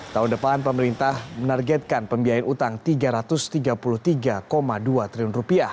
tahun depan pemerintah menargetkan pembiayaan utang rp tiga ratus tiga puluh tiga dua triliun